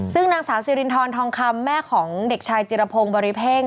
ซึ่งนางสาวสิรินทรทองคำแม่ของเด็กชายจิรพงศ์บริเพ่ง